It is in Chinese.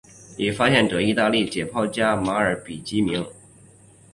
以发现者意大利解剖学家马尔比基命名。